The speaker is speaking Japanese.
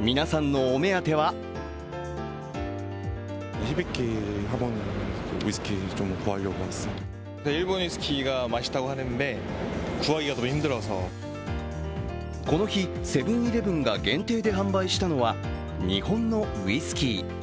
皆さんのお目当てはこの日、セブン−イレブンが限定で販売したのは日本のウイスキー。